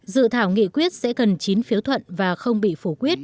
dự thảo nghị quyết sẽ cần chín phiếu thuận và không bị phủ quyết